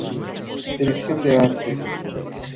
Dirección de Arte.